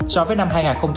so với năm hai nghìn hai mươi